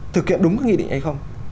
thực hiện đúng cái nghị định hay không